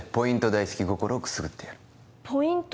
大好き心をくすぐってやるポイント